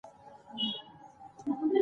یوه جمله د ژوند فلسفه بیانوي.